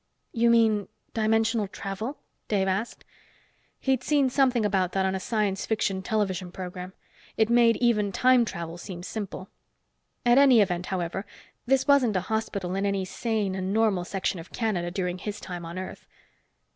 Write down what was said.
"You mean dimensional travel?" Dave asked. He'd seen something about that on a science fiction television program. It made even time travel seem simple. At any event, however, this wasn't a hospital in any sane and normal section of Canada during his time, on Earth.